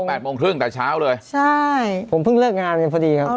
แปดโมงครึ่งแต่เช้าเลยใช่ผมเพิ่งเลิกงานไปพอดีครับ